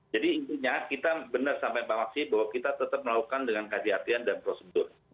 jadi intinya kita benar sampai pak maksi bahwa kita tetap melakukan dengan kasihatian dan prosedur